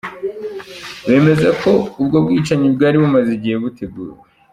Bemeza ko ubwo bwicanyi bwari bumaze igihe buteguwe.